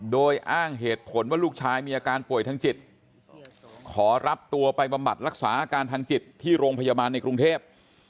โดยอ้างเหตุผลว่าลูกชายมีอาการป่วยทางจิตขอรับตัวไปบำบัดรักษาอาการทางจิตที่โรงพยาบาลในกรุงเทพ